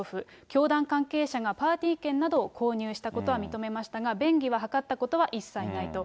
教団関係者がパーティー券などを購入したことは認めましたが、便宜は図ったことは一切ないと。